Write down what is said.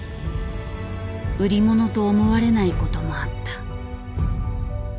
売り物と思われないこともあった。